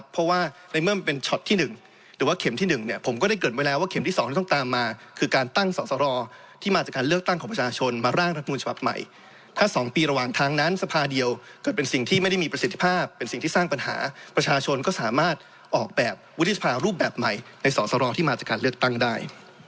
ปีระหว่างทางนั้นสภาเดียวเกิดเป็นสิ่งที่ไม่ได้มีประสิทธิภาพเป็นสิ่งที่สร้างปัญหาประชาชนก็สามารถออกแบบวุฒิศภารูปแบบใหม่ในศาลสรที่มาจากการเลือกตั้งได้